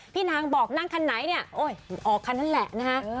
พี่นางบอกนั่งคันไหนเนี่ยโอ้ยออกคันนั้นแหละนะฮะ